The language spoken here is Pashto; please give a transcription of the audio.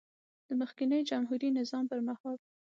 د مخکېني جمهوري نظام پر مهال